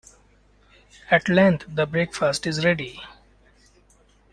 At length the breakfast is ready.